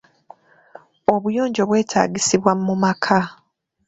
Obuyonjo bwetagisibwa mu maka.